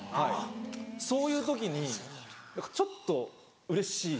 そういう時にちょっとうれしい。